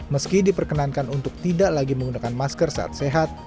meski diperkenankan untuk tidak lagi menggunakan masker saat sehat